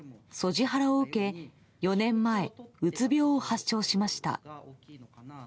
ハラを受け４年前、うつ病を発症しました。